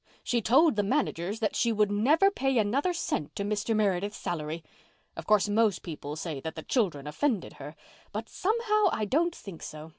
She told the managers that she would never pay another cent to Mr. Meredith's salary. Of course, most people say that the children offended her, but somehow I don't think so.